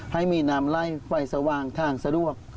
ให้มีน้ำไล่ไฟสว่างทางสะดวก